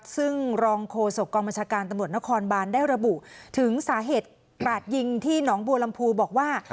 ซึ่งรองโฆษกองบัญชาการตำรวจนครบานได้ระบุถึงสาเหตุกราดยิงที่หนองบัวลำพูบอกว่า